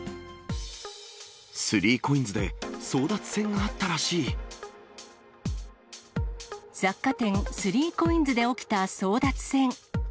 ３コインズで争奪戦があった雑貨店、３コインズで起きた争奪戦。